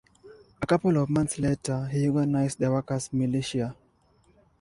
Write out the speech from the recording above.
A couple of months later, he organized the Worker's Militia.